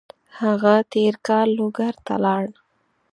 هغه تېر کال لوګر ته لاړ.